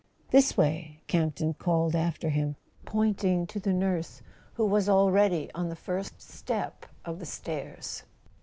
"This way " Camp ton called after him, pointing to the nurse, who was already on the first step of the stairs.